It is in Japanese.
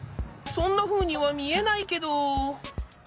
そんなふうにはみえないけど。